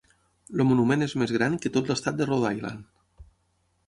El monument és més gran que tot l'estat de Rhode Island.